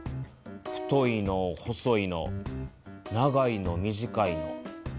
太いの細いの長いの短いの。